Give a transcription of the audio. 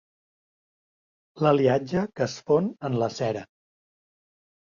L'aliatge que es fon en la cera.